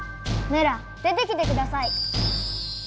メラ出てきてください！